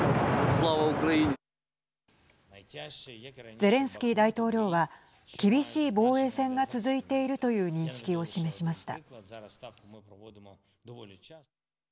ゼレンスキー大統領は厳しい防衛戦が続いているという認識を示しました。